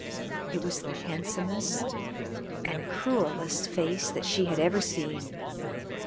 It was the handsomest and cruellest face that she had ever seen.